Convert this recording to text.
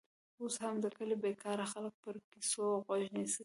اوس هم د کلي بېکاره خلک پر کیسو غوږ نیسي.